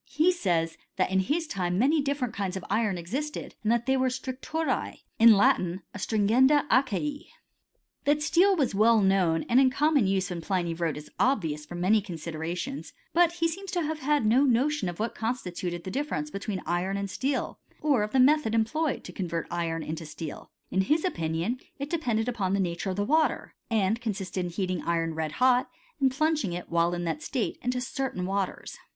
He s^ys^ that in his time many different kinds of iron existed, and they were stricturce^ in Latin a stringenda acie, ■ That steel was well known and in common use when Pliny wrote is obvious from many considerations ; but he seems to have had no notion of what constituted the difference between iron and steel, or of the me thod employed to convert iron into steel. In his opi nion it depended upon the nature of the water, and consisted in heating iron red hot, and plunging it, while in that state, into certain waters.